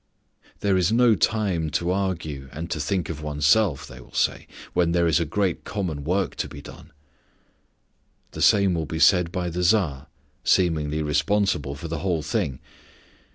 "There is no time to argue and to think of oneself," they will say, "when there is a great common work to be done." The same will be said by the Tsar, seemingly responsible for the whole thing.